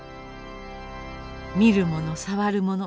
見るもの触るもの